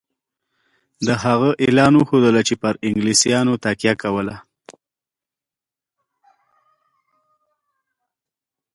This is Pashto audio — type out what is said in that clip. د هغه اعلان وښودله چې پر انګلیسیانو تکیه کوله.